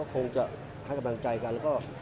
คงจะหักกำลังใจกัน